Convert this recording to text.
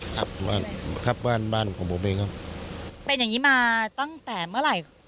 ครับบ้านครับบ้านบ้านของผมเองครับเป็นอย่างงี้มาตั้งแต่เมื่อไหร่